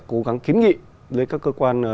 cố gắng kiến nghị với các cơ quan